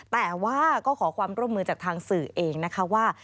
แต่ว่าก็ขอความร่วมมือจากทางสื่อเองนะคะว่า